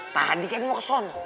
tadi kan mau ke sono